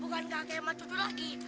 bukan kakek sama cucu lagi